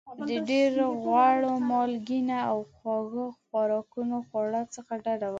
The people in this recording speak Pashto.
د ډېر غوړ مالګېنه او خواږه خوراکونو خواړو څخه ډاډه وکړئ.